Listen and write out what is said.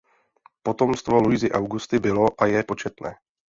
Potomstvo Luisy Augusty bylo a je početné.